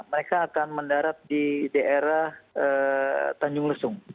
mereka akan mendarat di daerah tanjung lesung